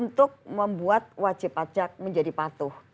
untuk membuat wajib pajak menjadi patuh